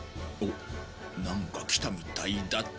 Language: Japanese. おっなんか来たみたいだ。